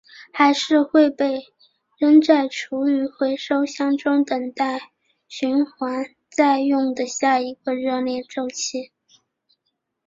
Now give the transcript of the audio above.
还是会被扔在厨余回收箱中等待循环再用的下一个热恋周期？